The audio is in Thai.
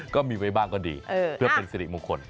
ก็มีไว้บ้างก็ดีเพื่อเป็นสิริมงคล